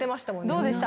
どうでした？